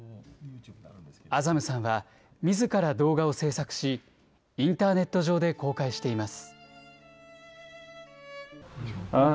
アザムさんはみずから動画を制作し、インターネット上で公開しています。